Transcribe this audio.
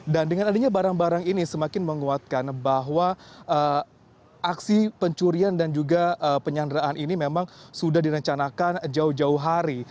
dan dengan adanya barang barang ini semakin menguatkan bahwa aksi pencurian dan juga penyanderaan ini memang sudah direncanakan jauh jauh hari